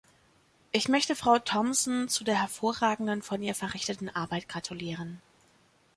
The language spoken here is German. Ich möchte Frau Thomsen zu der hervorragenden von ihr verrichteten Arbeit gratulieren.